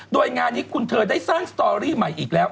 โดยงานนี้คุณเธอได้สร้างสตอรี่ใหม่อีกแล้ว